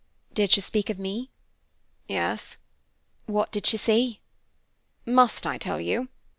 "Did she speak of me?" "Yes." "What did she say?" "Must I tell you?"